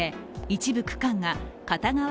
一部区間が片側